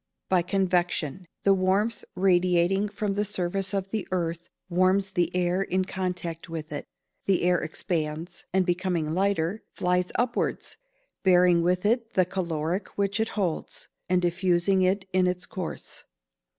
_ By convection. The warmth radiating from the surface of the earth warms the air in contact with it; the air expands, and becoming lighter, flies upwards, bearing with it the caloric which it holds, and diffusing it in its course.